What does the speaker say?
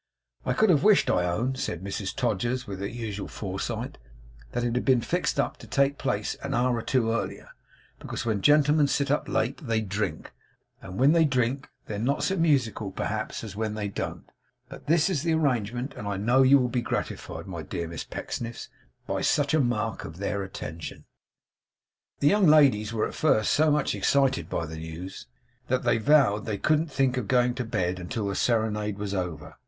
I could have wished, I own,' said Mrs Todgers, with her usual foresight, 'that it had been fixed to take place an hour or two earlier; because when gentlemen sit up late they drink, and when they drink they're not so musical, perhaps, as when they don't. But this is the arrangement; and I know you will be gratified, my dear Miss Pecksniffs, by such a mark of their attention.' The young ladies were at first so much excited by the news, that they vowed they couldn't think of going to bed until the serenade was over.